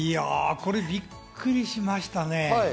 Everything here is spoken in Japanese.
これびっくりしましたね。